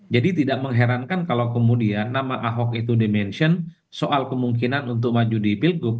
jadi tidak mengherankan kalau kemudian nama ahok itu dimensiun soal kemungkinan untuk maju di pilkud